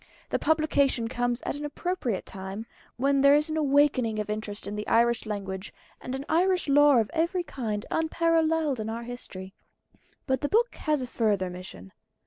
The publication comes at an appropriate time, when there is an awakening of interest in the Irish language, and in Irish lore of every kind, unparalleled in our history. But the book has a further mission.